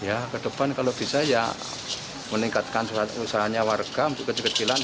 ya ke depan kalau bisa ya meningkatkan usahanya warga bukit bukit bilan